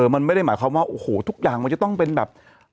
มันไม่ได้หมายความว่าโอ้โหทุกอย่างมันจะต้องเป็นแบบ